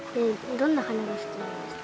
どんな花が好きなんですか？